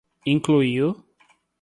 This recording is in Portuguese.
incluiu